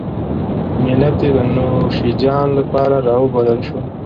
ملت یې د نوشیجان لپاره راوبلل شو.